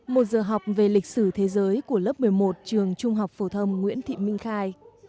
một giờ học về lịch sử thế giới của lớp một mươi một trường trung học phổ thông nguyễn thị minh khai